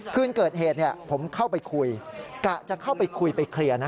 คืนเกิดเหตุผมเข้าไปคุยกะจะเข้าไปคุยไปเคลียร์นะ